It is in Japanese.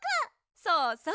そうそう！